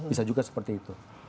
bisa juga seperti itu